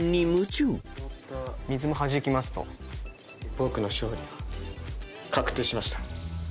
僕の勝利は確定しました。